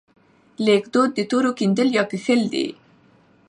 لیکدود د تورو کیندل یا کښل دي.